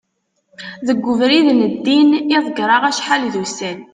deg ubrid n ddin i ḍegreɣ acḥal d ussan